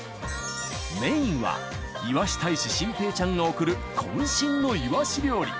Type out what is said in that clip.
メインはいわし大使心平ちゃんが贈るこん身のイワシ料理。